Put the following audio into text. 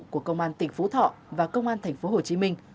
của công an tp thọ và công an tp hồ chí minh